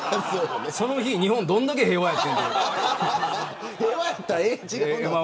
その日日本どんだけ平和やねんって。